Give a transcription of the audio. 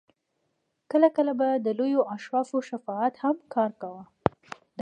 کله کله به د لویو اشرافو شفاعت هم کار کاوه.